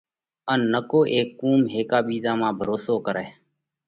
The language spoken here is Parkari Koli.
ان نڪو اي قُوم هيڪا ٻِيزا مانه ڀروسو ڪرئه۔